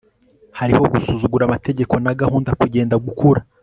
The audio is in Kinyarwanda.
Hariho gusuzugura amategeko na gahunda kugenda gukura